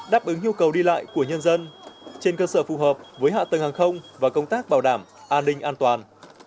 đáp ứng nhu cầu đi lại của nhân dân trên cơ sở phù hợp với hạ tầng hàng không và công tác bảo đảm an ninh an toàn